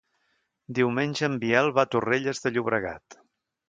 Diumenge en Biel va a Torrelles de Llobregat.